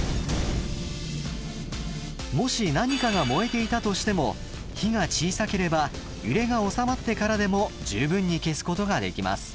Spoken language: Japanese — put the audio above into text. もし何かが燃えていたとしても火が小さければ揺れが収まってからでも十分に消すことができます。